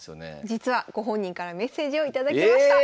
実はご本人からメッセージを頂きました。